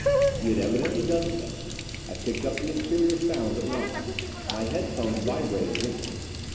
He had evidently done so. I picked up the interior sounds at once; my headphone vibrated with them.